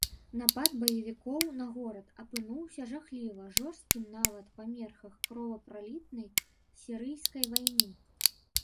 Напад баевікоў на горад апынуўся жахліва жорсткім нават па мерках кровапралітнай сірыйскай вайны.